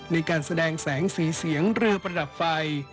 ในการแสดงแสงสีเสียงเรือประดับไฟ